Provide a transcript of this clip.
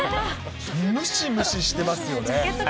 ムシムシしてますよね。